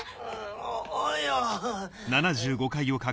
おおうよ。